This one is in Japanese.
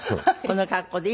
この格好で。